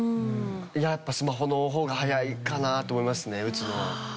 やっぱスマホの方が速いかなと思いますね打つのは。